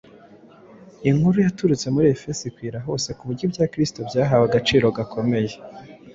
Inkuru yaturutse mu Efeso ikwira hose ku buryo ibya Kristo byahawe agaciro gakomeye.